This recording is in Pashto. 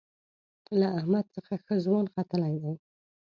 له احمد څخه ښه ځوان ختلی دی.